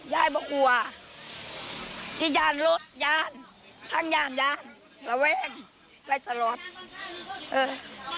ยายไม่กลัวที่ยานรถยานทางยานยานระเวงและสล็อตเออ